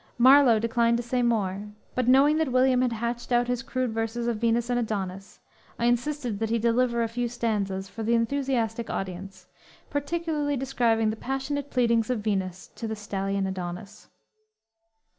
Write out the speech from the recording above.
Marlowe declined to say more, but knowing that William had hatched out his crude verses of Venus and Adonis, I insisted that he deliver a few stanzas for the enthusiastic audience, particularly describing the passionate pleadings of Venus to the stallion Adonis.